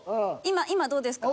今どうですか？